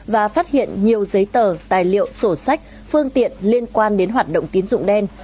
và phát hiện nhiều giấy tờ tài liệu sổ sách phương tiện liên quan đến hoạt động tín dụng đen